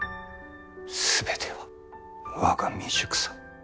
全ては我が未熟さ。